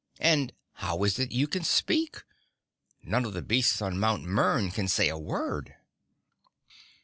And how is it you can speak? None of the beasts on Mount Mern can say a word."